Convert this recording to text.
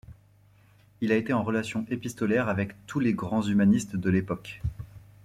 Il a été en relation épistolaire avec tous les grands humanistes de l'époque.